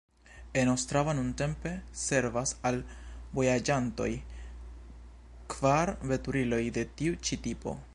En Ostrava nuntempe servas al vojaĝantoj kvar veturiloj de tiu ĉi tipo.